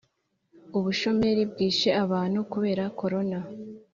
Ubushomeri bwishe abantu kubera corona